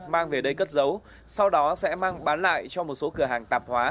mang về đây cất dấu sau đó sẽ mang bán lại cho một số cửa hàng tạp hóa